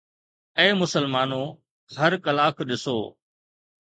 اي مسلمانو! هر ڪلاڪ ڏسو